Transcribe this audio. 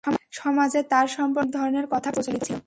সমাজে তার সম্পর্কে অনেক ধরনের কথা প্রচলিত ছিল।